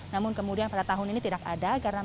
namun kemudian pada tahun ini tidak ada